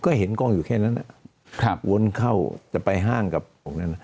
ก็เห็นกล้องอยู่แค่นั้นวนเข้าจะไปห้างกับองค์นั้น